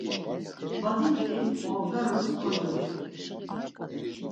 Badikti obgarus kocoç̌u.